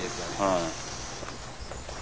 はい。